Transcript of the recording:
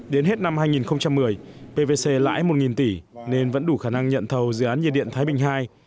đến hết năm hai nghìn một mươi pvc lãi một tỷ nên vẫn đủ khả năng nhận thầu dự án nhiệt điện thái bình ii